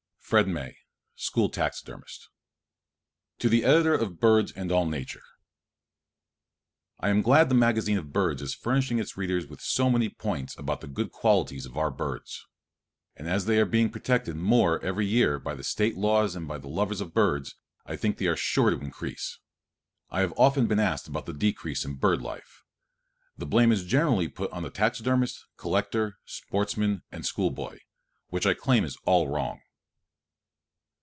FRED MAY, School Taxidermist. To the Editor of Birds and All Nature: I am glad the magazine of birds is furnishing its readers so many points about the good qualities of our birds. And as they are being protected more every year by the state laws and by the lovers of birds, I think they are sure to increase. I have often been asked about the decrease in bird life. The blame is generally put on the taxidermist, collector, sportsman, and schoolboy, which I claim is all wrong.